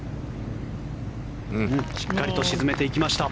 しっかりと沈めていきました。